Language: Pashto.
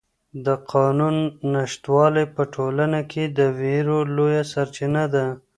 د قانون نشتوالی په ټولنه کې د وېرو لویه سرچینه ده.